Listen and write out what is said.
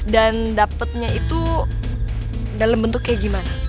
dan dapatnya itu dalam bentuk kayak gimana